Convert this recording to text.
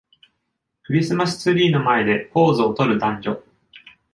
クリスマスツリーの前でポーズをとる男女。